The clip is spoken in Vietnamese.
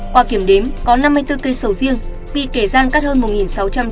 qua kiểm đếm có năm mươi bốn cây sầu riêng bị kẻ gian cắt hơn một sáu trăm linh m